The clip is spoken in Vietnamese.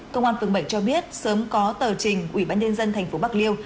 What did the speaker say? công an phường bảy cho biết sớm có tờ trình ubnd thành phố bạc liêu